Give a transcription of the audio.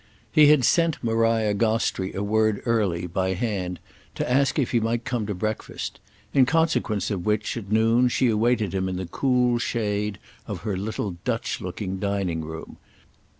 He had sent Maria Gostrey a word early, by hand, to ask if he might come to breakfast; in consequence of which, at noon, she awaited him in the cool shade of her little Dutch looking dining room.